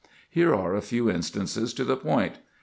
Here are a few instances to the point.